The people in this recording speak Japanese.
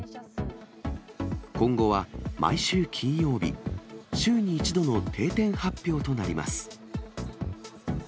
今後は毎週金曜日、週に１度の定点発表となります。